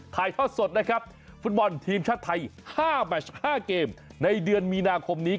ถ่ายทอดสดนะครับฟุตบอลทีมชาติไทย๕แมช๕เกมในเดือนมีนาคมนี้